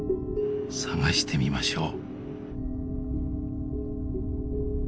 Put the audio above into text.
探してみましょう。